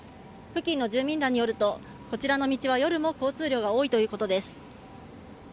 付近の住民らによるとこちらの道は夜も交通量が多いということです。